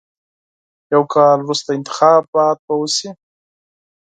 یو کال وروسته انتخابات به وشي.